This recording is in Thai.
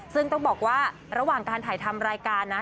ซึ่งต้องบอกว่าระหว่างการถ่ายทำรายการนะ